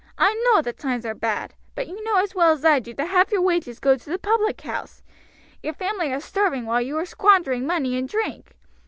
"I know the times are bad; but you know as well as I do that half your wages go to the public house; your family are starving while you are squandering money in drink.